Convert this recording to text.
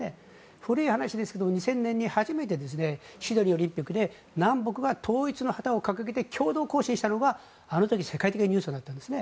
古い話ですが２０００年に初めてシドニーオリンピックで南北が統一の旗を掲げて共同行進したのが世界的なニュースになったんですね。